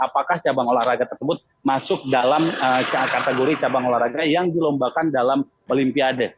apakah cabang olahraga tersebut masuk dalam kategori cabang olahraga yang dilombakan dalam olimpiade